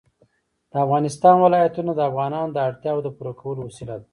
د افغانستان ولايتونه د افغانانو د اړتیاوو د پوره کولو وسیله ده.